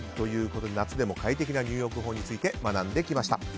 夏でも快適な入浴法について学んできました。